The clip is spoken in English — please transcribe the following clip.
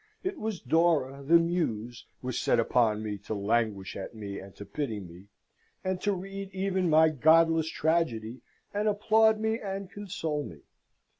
it was Dora, the Muse, was set upon me to languish at me and to pity me, and to read even my godless tragedy, and applaud me and console me.